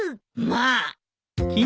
まあ！